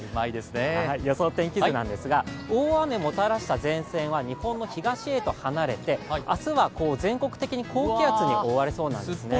予想天気図なんですが、大雨をもたらした前線は日本の東へと離れて、明日は全国的に高気圧に覆われそうです。